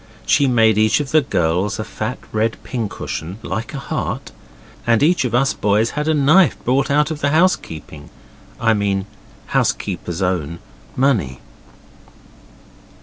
She made each of the girls a fat red pincushion like a heart, and each of us boys had a knife bought out of the housekeeping (I mean housekeeper's own) money.